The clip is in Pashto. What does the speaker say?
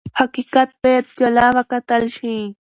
حقیقت باید جلا وکتل شي.